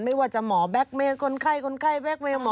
ไม่ว่าจะหมอแบ็คเมย์คนไข้คนไข้แบ็คเมย์หมอ